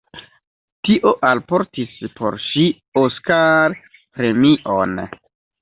Tio alportis por ŝi Oscar-premion.